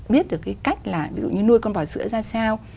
biết được cái cách là ví dụ như nuôi con bò sữa ra sao